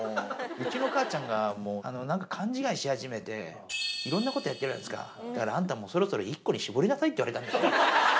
うちの母ちゃんがもうなんか勘違いし始めて、いろんなことやってるじゃないですか、だからあんたもそろそろ一個に絞りなさいって言われたんですよ。